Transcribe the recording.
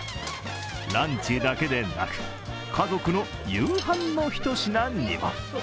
ランチだけでなく、家族の夕飯の一品にも。